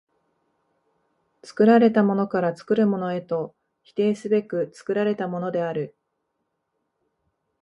作られたものから作るものへと否定すべく作られたものである。